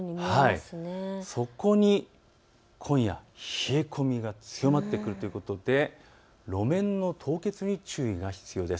そこに今夜、冷え込みが強まってくるということで路面の凍結に注意が必要です。